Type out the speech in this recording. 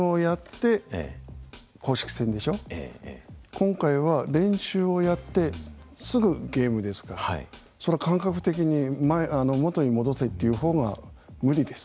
今回は練習をやってすぐゲームですからその感覚的に元に戻せっていう方が無理です。